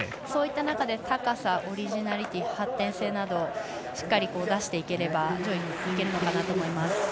そういった中で高さオリジナリティー、発展性などしっかり出していければ上位に行けるかなと思います。